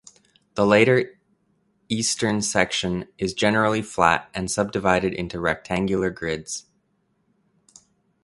The later eastern section is generally flat and subdivided into rectangular grids.